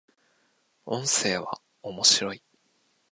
音声は、面白い